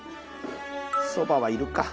そばはいるか。